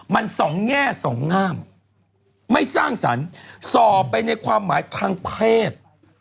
มันสองแง่สองงามไม่สร้างสรรค์ส่อไปในความหมายทางเพศ